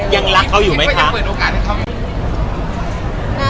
ยังรักเขาอยู่ไหมคะ